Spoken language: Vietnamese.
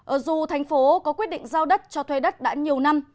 ở dù thành phố có quyết định giao đất cho thuê đất đã nhiều năm